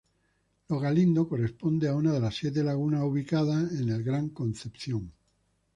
Lo Galindo corresponde a una de las siete lagunas ubicadas en el Gran Concepción.